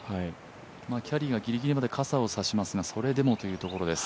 キャディーがギリギリでも傘を差しますがそれでもというところです。